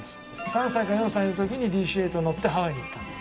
３歳か４歳の時にＤＣー８に乗ってハワイに行ったんです。